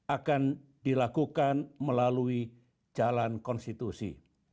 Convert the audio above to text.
akan dilakukan melalui jalan konstitusi